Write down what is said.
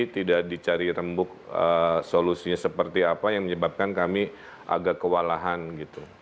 tidak dicari rembuk solusinya seperti apa yang menyebabkan kami agak kewalahan gitu